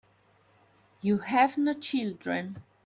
You have no children.